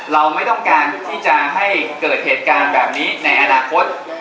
เราไม่ต้องการที่จะให้เกิดเหตุการณ์แบบนี้ในอนาคต